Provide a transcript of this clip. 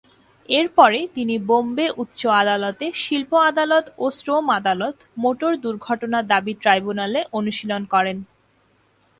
এর পরে তিনি বোম্বে উচ্চ আদালতে শিল্প-আদালত ও শ্রম আদালত, মোটর দুর্ঘটনা দাবি ট্রাইব্যুনালে অনুশীলন করেন।